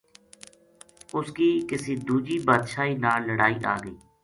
اس کی کسی دو جی بادشاہی ناڑ لڑائی آ گئی